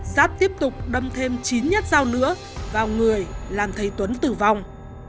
giáp tiếp tục đâm thêm chín nhát dao nữa vào người làm thầy tuấn tử vong